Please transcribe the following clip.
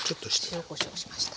塩こしょうをしました。